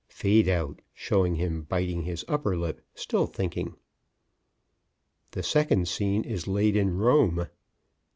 (Fade out showing him biting his upper lip, still thinking.) The second scene is laid in Rome.